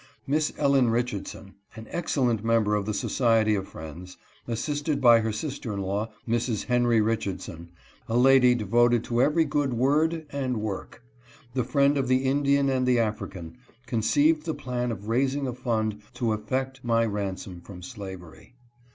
Miss Ellen Richardson, an excellent member of the so ciety of Friends, assisted by her sister in law, Mrs. Henry Richardson, a lady devoted to every good word and work, the friend of the Indian and the African, conceived the plan of raising a fund to effect my ransom from slavery.